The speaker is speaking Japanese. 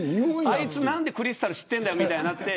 あいつ何でクリスタル知ってんだよみたいになって。